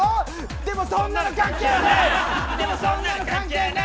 でもそんなの関係ねえ！